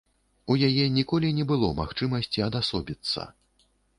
У яе ніколі не было магчымасці адасобіцца.